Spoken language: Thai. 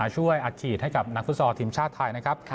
ช่วยอัดฉีดให้กับนักฟุตซอลทีมชาติไทยนะครับ